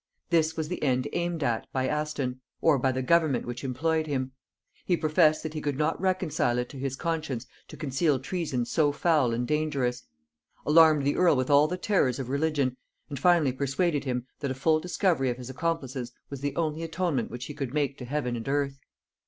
This was the end aimed at by Aston, or by the government which employed him: he professed that he could not reconcile it to his conscience to conceal treasons so foul and dangerous; alarmed the earl with all the terrors of religion; and finally persuaded him, that a full discovery of his accomplices was the only atonement which he could make to heaven and earth.